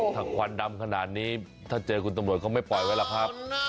ถ้าควันดำขนาดนี้ถ้าเจอคุณตำรวจเขาไม่ปล่อยไว้หรอกครับ